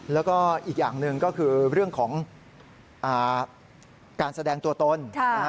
แล้วก็อีกอย่างหนึ่งก็คือเรื่องของการแสดงตัวตน